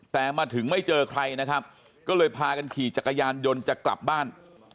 แต่มาถึงไม่เจอใครนะครับก็เลยพากันขี่จักรยานยนต์จะกลับบ้าน